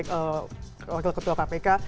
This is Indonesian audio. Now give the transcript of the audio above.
wakil ketua kpk